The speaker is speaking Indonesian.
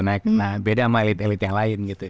jangan kaget ke jawa